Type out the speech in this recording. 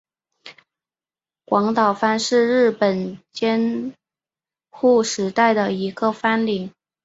广岛藩是日本江户时代的一个藩领。